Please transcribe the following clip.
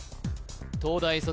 東大卒